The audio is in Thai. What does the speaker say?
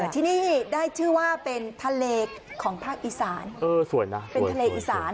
ที่นี่ได้ชื่อว่าเป็นทะเลของภาคอีสานเออสวยนะเป็นทะเลอีสาน